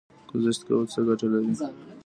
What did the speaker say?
ګذشت کول څه ګټه لري؟